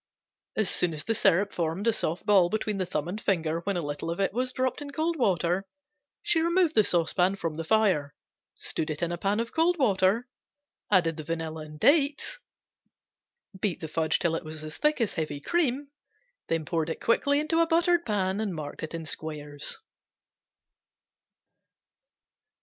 As soon as the syrup formed a soft ball between the thumb and finger when a little of it was dropped in cold water she removed the saucepan from the fire, stood it in a pan of cold water, added the vanilla and dates, beat the fudge till it was as thick as heavy cream, poured quickly into a buttered pan and marked in squares.